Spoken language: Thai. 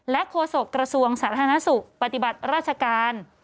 โฆษกระทรวงสาธารณสุขปฏิบัติราชการ